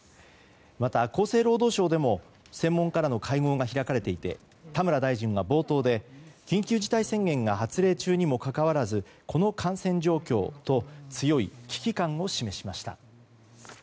また、厚生労働省でも専門家らの会合が開かれていて田村大臣は冒頭で緊急事態宣言が発令中にもかかわらずこの感染状況と強い危機感を示しました。